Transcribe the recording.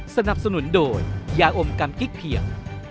สนับสนุนโดยยาอมกรรมกิ๊กเพียง